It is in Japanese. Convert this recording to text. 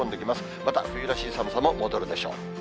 また冬らしい寒さも戻るでしょう。